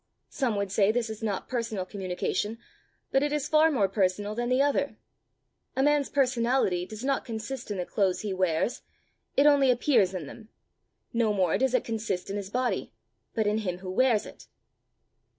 Some would say this is not personal communication; but it is far more personal than the other. A man's personality does not consist in the clothes he wears; it only appears in them; no more does it consist in his body, but in him who wears it."